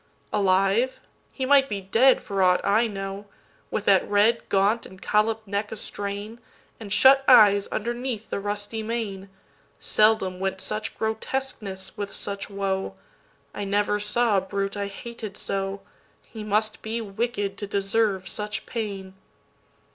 Alive? he might be dead for aught I know, With that red, gaunt and collop'd neck a strain, And shut eyes underneath the rusty mane; Seldom went such grotesqueness with such woe;I never saw a brute I hated so; He must be wicked to deserve such pain.